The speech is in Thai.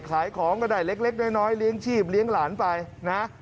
ขายของก็ได้เล็กน้อยเลี้ยงชีพเลี้ยงหลานไปนะ